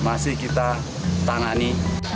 masih kita tangani